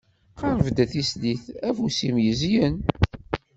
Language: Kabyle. Qerb-d a tislit, afus-im yezyen.